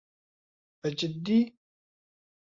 بەجددی؟